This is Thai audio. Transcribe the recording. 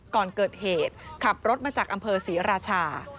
ก่อนเกิดเหตุขับรถมาจากอำเภอศรีราชา